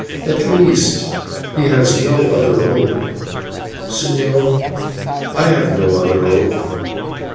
At least, he has no other hope. "Señor, I have no other hope.